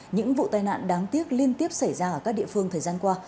những vụ tai nạn đáng tiếc liên tiếp xảy ra ở các địa phương thời gian qua